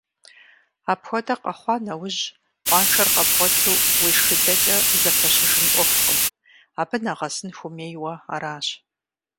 Апхуэдэ къэхъуа нэужь, къуаншэр къэбгъуэту уешхыдэкӀэ зэпэщыжын Ӏуэхукъым, абы нэгъэсын хуэмейуэ аращ.